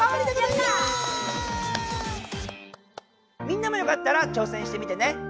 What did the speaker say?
みんなもよかったらちょうせんしてみてね。